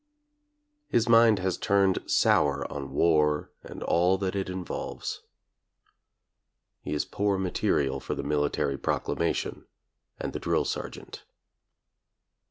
His mind has turned sour on war and all that it involves. He is poor material for the military proclamation and the drill sergeant.